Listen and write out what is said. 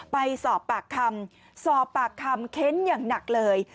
ไปสอบปากคำเค้นอย่างหนักเลย